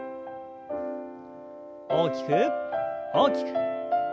大きく大きく。